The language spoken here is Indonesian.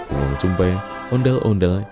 ungung cumpai ondel ondel